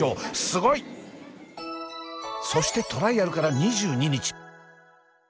すごい！そしてトライアルから２２日。